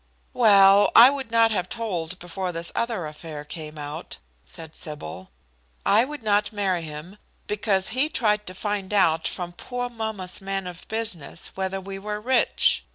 "Well, I would not have told before this other affair came out," said Sybil. "I would not marry him because he tried to find out from poor mamma's man of business whether we were rich.